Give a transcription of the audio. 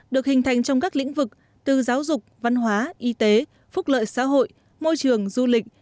được hình thành trong các lĩnh vực từ giáo dục văn hóa y tế phúc lợi xã hội môi trường du lịch